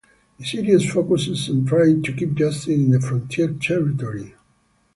The series focuses on trying to keep justice in the frontier territory.